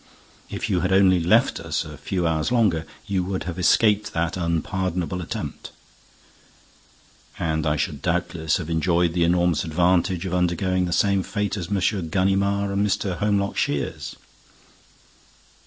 If you had only left us a few hours longer, you would have escaped that unpardonable attempt." "And I should doubtless have enjoyed the enormous advantage of undergoing the same fate as M. Ganimard and Mr. Holmlock Shears?"